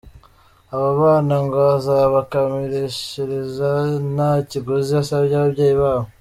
Abo bana ngo azabakamishiriza nta kiguzi asabye ababyeyi babo.